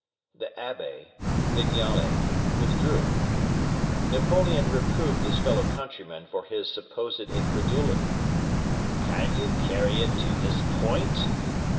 The Abbe (Vignale) withdrew; Napoleon reproved his fellow countryman for his supposed incredulity. "Can you carry it to this point?